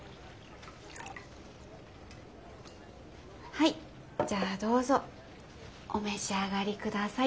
はいじゃあどうぞお召し上がり下さい。